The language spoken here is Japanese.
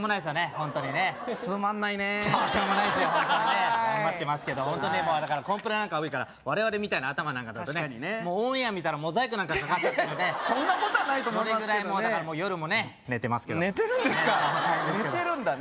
ホントにね頑張ってますけどホントねコンプラなんか多いから我々みたいな頭なんかだとねオンエア見たらモザイクなんかかかってたりねそんなことはないと思いますけどそれぐらいもう夜もね寝てますけど寝てるんですか寝てるんだね